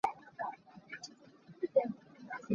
Rian ni hnih ka chomh.